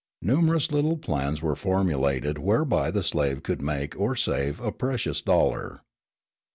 Numerous little plans were formulated whereby the slave could make or save a precious dollar.